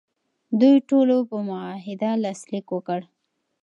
دوی ټولو په معاهده لاسلیک وکړ.